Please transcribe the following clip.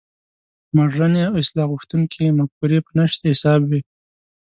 مډرنې او اصلاح غوښتونکې مفکورې په نشت حساب وې.